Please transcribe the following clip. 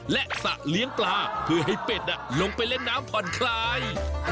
และสระเลี้ยงปลาเพื่อให้เป็ดลงไปเล่นน้ำผ่อนคลาย